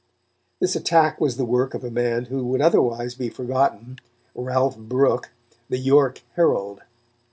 This attack was the work of a man who would otherwise be forgotten, Ralph Brooke, the York Herald.